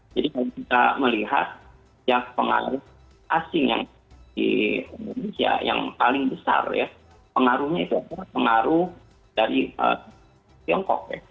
jadi kalau kita melihat yang pengaruh asing yang di indonesia yang paling besar pengaruhnya itu pengaruh dari tiongkok